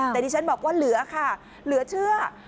แต่ดิฉันบอกว่าเหลือค่ะเหลือเชื่อ